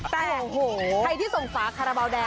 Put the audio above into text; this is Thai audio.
แต่ใครที่ส่งฝาคาราบาลแดง